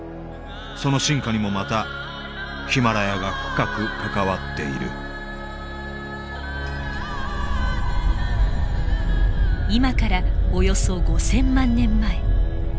その進化にもまたヒマラヤが深く関わっている今からおよそ５０００万年前。